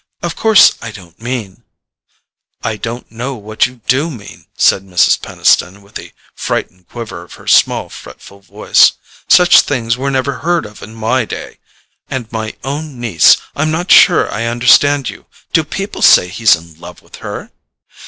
of course I don't mean...." "I don't know what you DO mean," said Mrs. Peniston, with a frightened quiver in her small fretful voice. "Such things were never heard of in my day. And my own niece! I'm not sure I understand you. Do people say he's in love with her?"